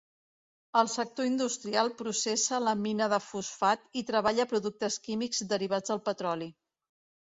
El sector industrial processa la mina de fosfat i treballa productes químics derivats del petroli.